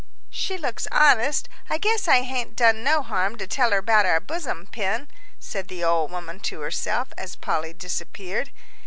"She looks honest; I guess I hain't done no harm to tell her about our buzzom pin," said the old woman to herself as Polly disappeared.